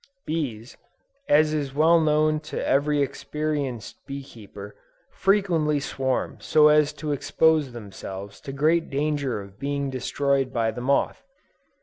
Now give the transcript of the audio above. Bees, as is well known to every experienced bee keeper, frequently swarm so often as to expose themselves to great danger of being destroyed by the moth.